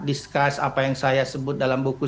discuss apa yang saya sebut dalam buku